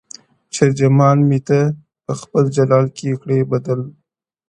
شرجلال مي ته؛ په خپل جمال کي کړې بدل؛